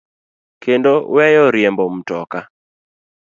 kendo weyo riembo mtoka.